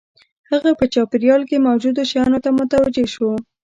هغه په چاپېريال کې موجودو شیانو ته متوجه شو